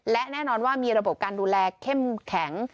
และแน่นอนว่ามีระบบการดูแลเข้มแข็ง